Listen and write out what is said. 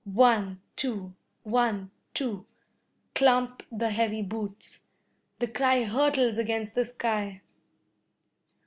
One! Two! One! Two! clump the heavy boots. The cry hurtles against the sky.